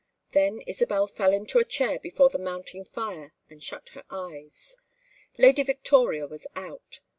Then Isabel fell into a chair before the mounting fire and shut her eyes. Lady Victoria was out.